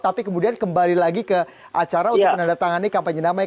tapi kemudian kembali lagi ke acara untuk menandatangani kampanye damai